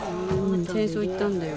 戦争行ったんだよ